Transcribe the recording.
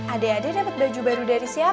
adek adek dapet baju baru dari siapa